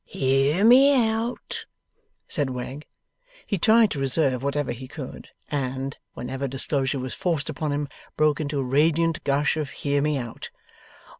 ' Hear me out!' said Wegg. (He tried to reserve whatever he could, and, whenever disclosure was forced upon him, broke into a radiant gush of Hear me out.)